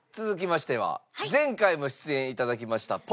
続きましては前回も出演頂きました